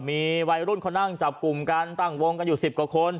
มีวัยรุ่นเขานั่งจับกลุ่มกันตั้งวงกันอยู่๑๐กว่าคน